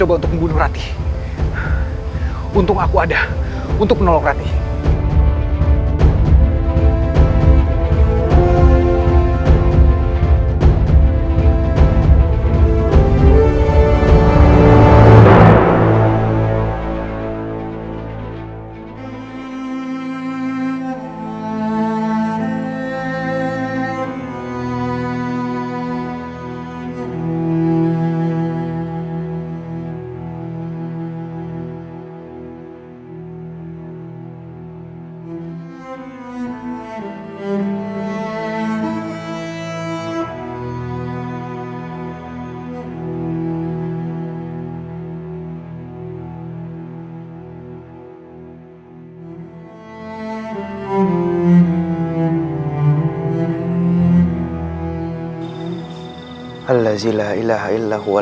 kau bisa mer ciwede